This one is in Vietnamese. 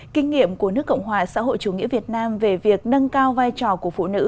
kinh nghiệm của nước cộng hòa xã hội chủ nghĩa việt nam về việc nâng cao vai trò của phụ nữ